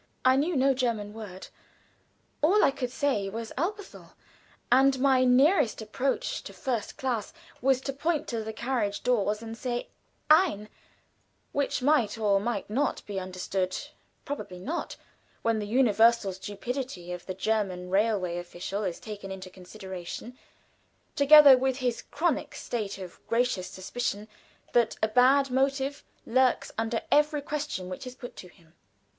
I knew no German word. All I could say was "Elberthal;" and my nearest approach to "first class" was to point to the carriage doors and say "Ein," which might or might not be understood probably not, when the universal stupidity of the German railway official is taken into consideration, together with his chronic state of gratuitous suspicion that a bad motive lurks under every question which is put to him.